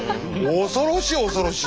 恐ろしい恐ろしい！